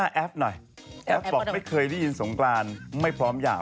อะไรก็แปลกฆ่ากันก็แปลก